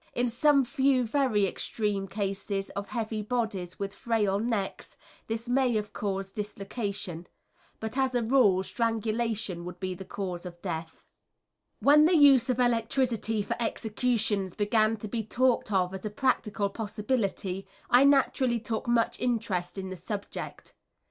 In some few very extreme cases of heavy bodies with frail necks this may have caused dislocation, but as a rule strangulation would be the cause of death. [Illustration: Old Methods.] When the use of electricity for executions began to be talked of as a practical possibility, I naturally took much interest in the subject.